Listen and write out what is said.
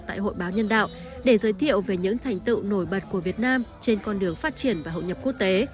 tại hội báo nhân đạo để giới thiệu về những thành tựu nổi bật của việt nam trên con đường phát triển và hậu nhập quốc tế